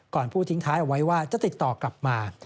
พูดทิ้งท้ายเอาไว้ว่าจะติดต่อกลับมา